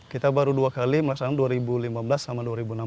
kita baru dua kali melaksanakan dua ribu lima belas sama dua ribu enam belas